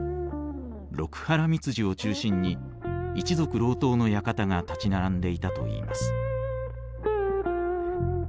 六波羅蜜寺を中心に一族郎党の館が立ち並んでいたといいます。